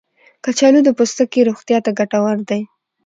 کچالو د پوستکي روغتیا ته ګټور دی.